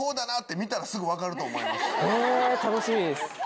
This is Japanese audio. へぇ楽しみです！